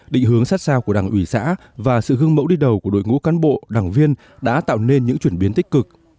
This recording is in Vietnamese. định hướng sát sao của đảng ủy xã và sự gương mẫu đi đầu của đội ngũ cán bộ đảng viên đã tạo nên những chuyển biến tích cực